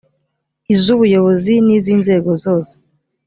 iz ubuyobozi n iz inzego zose